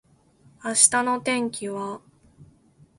明日の天気は？